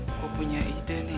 aku punya ide nih